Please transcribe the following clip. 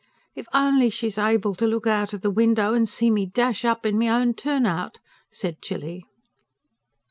"If only she's able to look out of the window and see me dash up in my own turn out!" said Tilly.